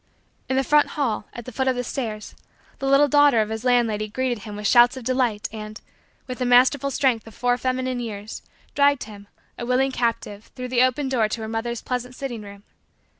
In the front hall, at the foot of the stairs, the little daughter of his landlady greeted him with shouts of delight and, with the masterful strength of four feminine years, dragged him, a willing captive, through the open door to her mother's pleasant sitting room.